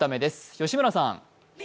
吉村さん。